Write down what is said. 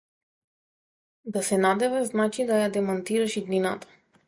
Да се надеваш значи да ја демантираш иднината.